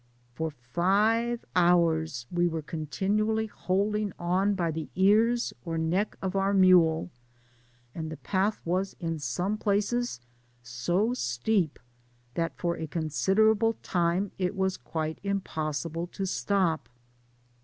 For five hours we were continually holding on by the ears or neck of our mule, and the path was in some places so steep, that for a considerable time it was quite impossible to stop.